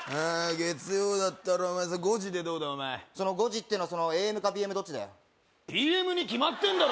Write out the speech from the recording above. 月曜だったら５時でどうだその５時っていうのはそのＡＭかＰＭどっちだよＰＭに決まってんだろ